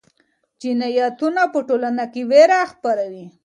جنایتونه په ټولنه کې ویره خپروي.